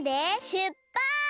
しゅっぱつ！